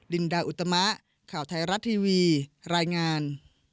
ลินดาอุตมะข่าวไทยรัฐทีวีรายงาน